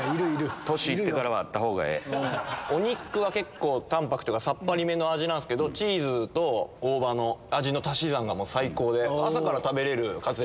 お肉は結構淡泊というかさっぱりめの味なんですけどチーズと大葉の味の足し算が最高で。